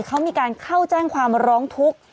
เขามีการเข้าแจ้งความร้องทุกข์